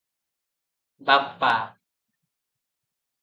"ବାପା!